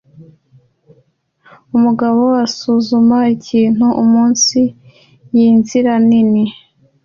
Umugabo usuzuma ikintu munsi yinzira nini